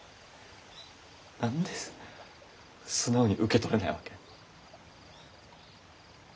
何で素直に受け取れないわけ？